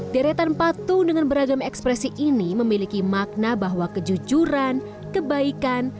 deretan patung dengan beragam ekspresi ini memiliki makna bahwa kejujuran kebaikan